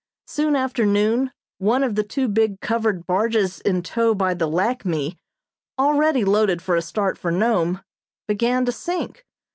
Soon after noon, one of the two big covered barges in tow by the "Lackme," already loaded for a start for Nome, began to sink.